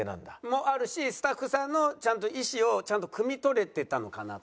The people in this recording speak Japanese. もあるしスタッフさんのちゃんと意思をくみ取れてたのかなとか。